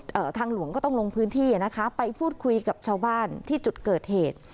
ทางหลวงก็ต้องลงพื้นที่อ่ะนะคะไปพูดคุยกับชาวบ้านที่จุดเกิดเหตุ